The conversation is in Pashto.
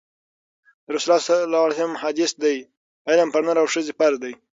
د رسول الله ﷺ حدیث دی: علم پر نر او ښځي فرض دی